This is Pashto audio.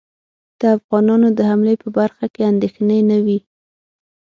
د افغانانو د حملې په برخه کې اندېښنې نه وې.